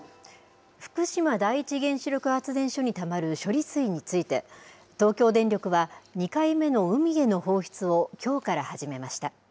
福島第一原子力発電所にたまる処理水について東京電力は２回目の海への放出をきょうから始めました。